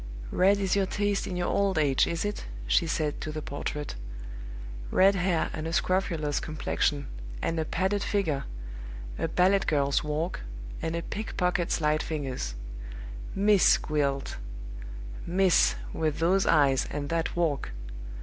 "Red is your taste in your old age is it?" she said to the portrait. "Red hair, and a scrofulous complexion, and a padded figure, a ballet girl's walk, and a pickpocket's light fingers. Miss Gwilt! Miss, with those eyes, and that walk!"